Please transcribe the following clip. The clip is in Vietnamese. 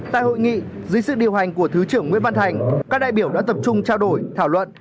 tại hội nghị dưới sự điều hành của thứ trưởng nguyễn văn thành các đại biểu đã tập trung trao đổi thảo luận